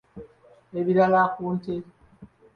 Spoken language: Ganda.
Ebirala ku nte.